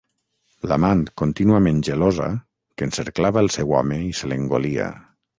L'amant contínuament gelosa que encerclava el seu home i se l'engolia.